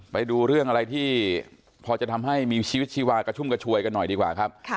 ไปดูเรื่องอะไรที่พอจะทำให้มีชีวิตชีวากระชุ่มกระชวยกันหน่อยดีกว่าครับ